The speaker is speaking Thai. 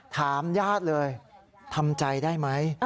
ถามญาติเลยทำใจได้ไหม